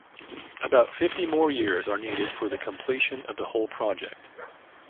About fifty more years are needed for the completion of the whole project.